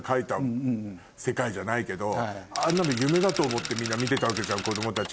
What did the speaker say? じゃないけどあんなの夢だと思ってみんな見てたわけじゃん子供たち。